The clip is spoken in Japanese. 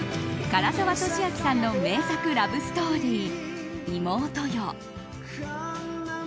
唐沢寿明さんの名作ラブストーリー「妹よ」。